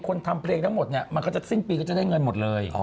คนทำเพลงทั้งหมดมันก็จะซึ่งปีจะได้เงินหมดเลย